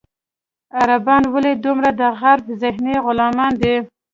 عربان ولې دومره د غرب ذهني غلامان دي.